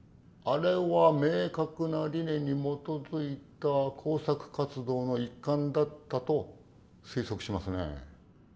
あれは明確な理念に基づいた工作活動の一環だったと推測しますね。